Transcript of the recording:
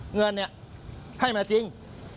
เงินให้มาจริง